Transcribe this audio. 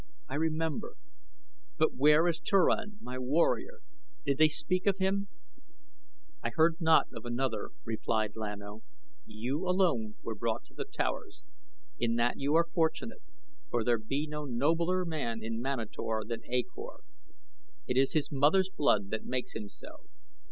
"I remember; but where is Turan, my warrior? Did they speak of him?" "I heard naught of another," replied Lan O; "you alone were brought to the towers. In that you are fortunate, for there be no nobler man in Manator than A Kor. It is his mother's blood that makes him so.